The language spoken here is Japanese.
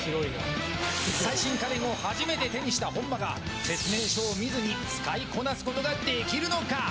最新家電を初めて手にした本間が説明書を見ずに使いこなすことができるのか。